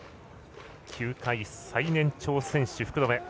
球界最年長選手、福留。